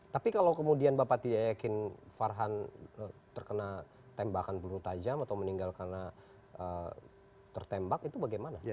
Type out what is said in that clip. tapi kalau kemudian bapak tidak yakin farhan terkena tembakan peluru tajam atau meninggal karena tertembak itu bagaimana